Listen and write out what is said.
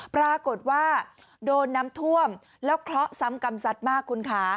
ปรากฏว่าโดนน้ำท่วมแล้วเคราะห์ซ้ำกรรมสัตว์มากคุณค่ะ